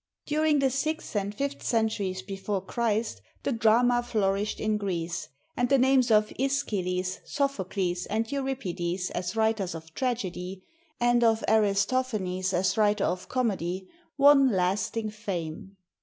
During the sixth and fifth centuries before Christ, the drama flourished in Greece; and the names of ^schylus, Sophocles, and Euripides as writers of tragedy, and of Aris tophanes as writer of comedy, won lasting fame.